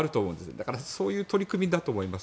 だからそういう取り組みだと思います。